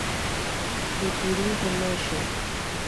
Pipirinte mosho.